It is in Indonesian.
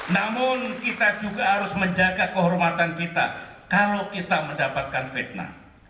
namun kita juga harus menjaga kehormatan kita kalau kita mendapatkan fitnah